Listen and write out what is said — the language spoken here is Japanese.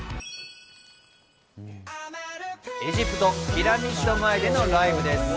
エジプト・ピラミッド前でのライブです。